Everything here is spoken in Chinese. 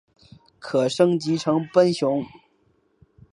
可升级成奔熊。